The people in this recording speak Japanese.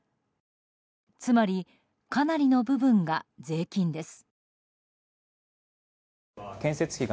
つまり、かなりの部分が税金です。